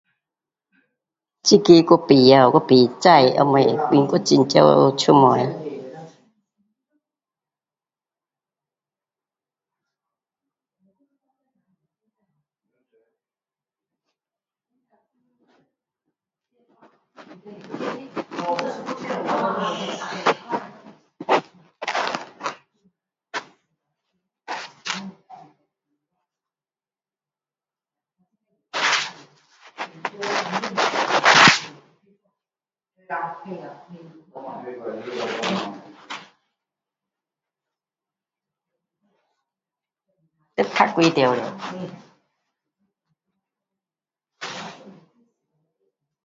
这个我不会，我不知什么因为我很少出门。